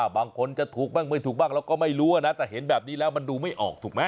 บางคนจะถูกบ้างไม่ถูกบ้างเราก็ไม่รู้นะแต่เห็นแบบนี้แล้วมันดูไม่ออกถูกไหม